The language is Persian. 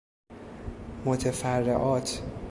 متفرعات